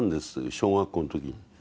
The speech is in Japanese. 小学校の時に。